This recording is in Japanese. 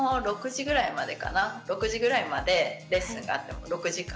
６時ぐらいまでレッスンがあって６時間。